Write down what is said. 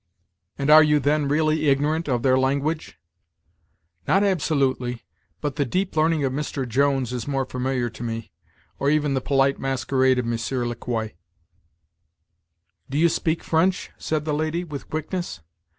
"And are you, then, really ignorant of their language?" "Not absolutely; but the deep learning of Mr. Jones is more familiar to me, or even the polite masquerade of Monsieur Le Quoi." "Do you speak French?" said the lady, with quickness.